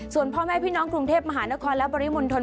ส่วนพ่อแม่พี่น้องกรุงเทพมหานครและปริมณฑล